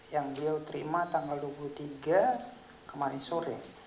yang beliau terima tanggal dua puluh tiga kemarin sore